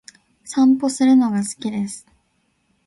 散歩するのが好きです。